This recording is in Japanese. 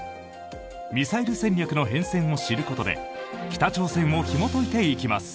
ミサイル戦略の変遷を知ることで北朝鮮をひもといていきます。